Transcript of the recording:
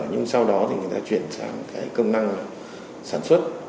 nhưng sau đó thì người ta chuyển sang cái công năng sản xuất